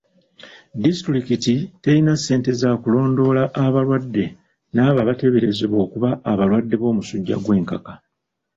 Disitulikiti telina ssente za kulondoola abalwadde n'abo abateeberezebwa okuba abalwadde b'omusujja gw'enkaka.